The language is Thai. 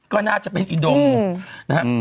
ก็น่าจะเป็นอินโดงง